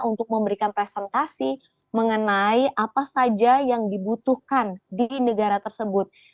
untuk memberikan presentasi mengenai apa saja yang dibutuhkan di negara tersebut